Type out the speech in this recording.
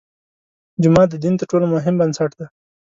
جومات د دین تر ټولو مهم بنسټ دی.